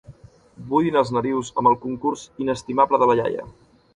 Buidin els narius amb el concurs inestimable de la iaia.